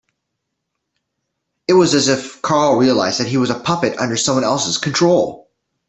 It was as if Carl realised that he was a puppet under someone else's control.